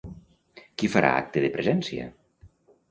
Qui farà acte de presència?